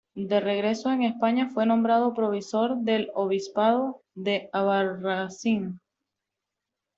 De regreso en España fue nombrado provisor del obispado de Albarracín.